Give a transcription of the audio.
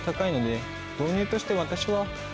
導入として私は。